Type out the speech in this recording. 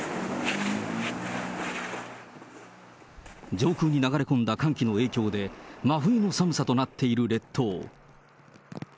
上空に流れ込んだ寒気の影響で、真冬の寒さとなっている列島。